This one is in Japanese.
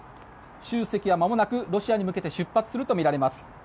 習主席はまもなくロシアに向けて出発するとみられます。